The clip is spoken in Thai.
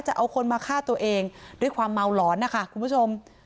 จะเอาคนมาฆ่าตัวเองด้วยความเมาหลอนนะคะคุณผู้ชม